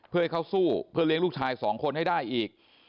เพื่อให้เขาสู้เพื่อเลี้ยงลูกชายสองคนให้ได้อีก